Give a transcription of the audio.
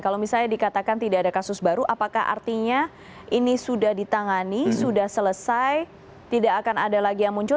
kalau misalnya dikatakan tidak ada kasus baru apakah artinya ini sudah ditangani sudah selesai tidak akan ada lagi yang muncul